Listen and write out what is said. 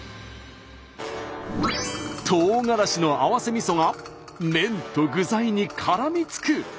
とうがらしの合わせみそが麺と具材にからみつく。